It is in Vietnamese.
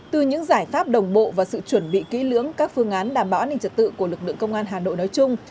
từ những giải pháp đồng bộ và sự chuẩn bị kỹ lưỡng các phương án đảm bảo an ninh trật tự của lực lượng công an hà nội nói chung